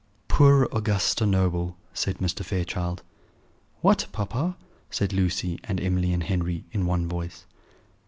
"Poor Augusta Noble!" said Mr. Fairchild. "What, papa?" said Lucy and Emily and Henry, in one voice.